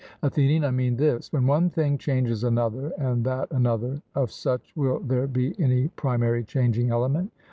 ATHENIAN: I mean this: when one thing changes another, and that another, of such will there be any primary changing element?